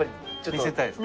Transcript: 見せたいですか？